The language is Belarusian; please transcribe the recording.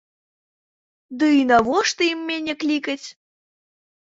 Ды і навошта ім мяне клікаць?